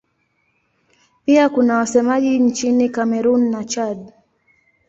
Pia kuna wasemaji nchini Kamerun na Chad.